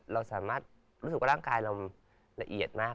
เราสามารถรู้สึกว่าร่างกายเราละเอียดมาก